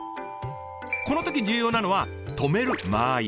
この時重要なのは止める間合い。